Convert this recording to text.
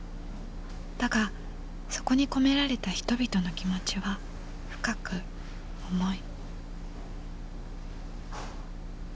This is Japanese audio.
だがそこに込められた人々の気持ちは深く重い。